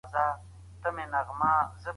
لقمه پاکه کړئ.